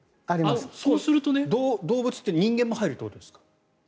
動物って人間も入るということですか。